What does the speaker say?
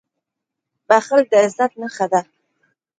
• بښل د عزت نښه ده.